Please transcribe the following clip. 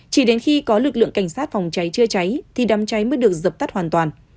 chỉ đến khi có lực lượng cảnh sát phòng cháy chữa cháy thì đám cháy mới được dập tắt hoàn toàn